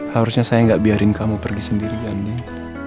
harusnya saya gak biarin kamu pergi sendiri andin